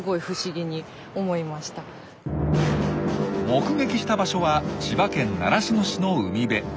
目撃した場所は千葉県習志野市の海辺。